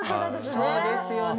そうですよね。